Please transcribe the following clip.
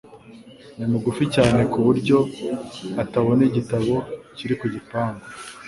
Ni mugufi cyane ku buryo atabona igitabo kiri ku gipangu.